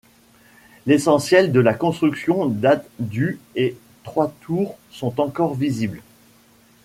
L'essentiel de la construction date du et trois tours sont encore visibles.